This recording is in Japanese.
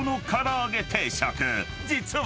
［実は］